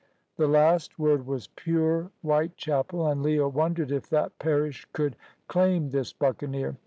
The last word was pure Whitechapel, and Leah wondered if that parish could claim this buccaneer.